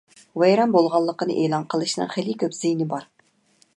ۋەيران بولغانلىقىنى ئېلان قىلىشنىڭ خېلى كۆپ زىيىنى بار.